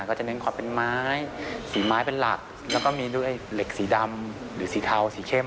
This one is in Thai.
ก็จะเน้นขอบเป็นไม้สีไม้เป็นหลักแล้วก็มีด้วยเหล็กสีดำหรือสีเทาสีเข้ม